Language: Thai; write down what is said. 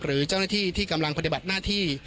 หรือเจ้าหน้าที่ที่กำลังปฏิบัติหน้าที่